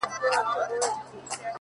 پر موږ همېش یاره صرف دا رحم جهان کړی دی،